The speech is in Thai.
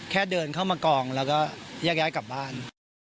เดินเข้ามากองแล้วก็แยกย้ายกลับบ้าน